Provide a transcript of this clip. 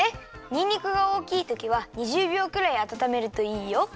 にんにくがおおきいときは２０びょうくらいあたためるといいよ。